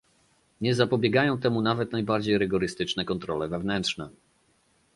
Nie zapobiegną temu nawet najbardziej rygorystyczne kontrole wewnętrzne